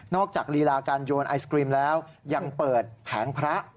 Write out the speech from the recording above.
จากลีลาการโยนไอศกรีมแล้วยังเปิดแผงพระ